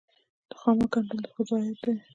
د خامک ګنډل د ښځو عاید دی